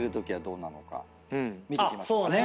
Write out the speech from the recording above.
見ていきましょうかね。